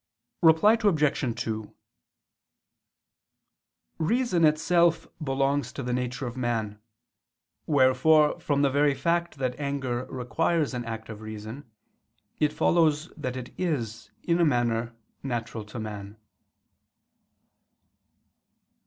Reply Obj. 2: Reason itself belongs to the nature of man: wherefore from the very fact that anger requires an act of reason, it follows that it is, in a manner, natural to man.